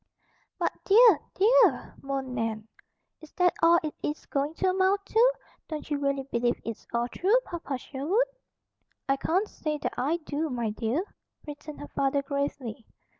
"But, dear, DEAR!" moaned Nan. "Is that all it is going to amount to? Don't you really believe it's all true, Papa Sherwood?" "I can't say that I do, my dear," returned her father gravely.